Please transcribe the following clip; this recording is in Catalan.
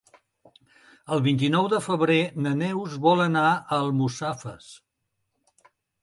El vint-i-nou de febrer na Neus vol anar a Almussafes.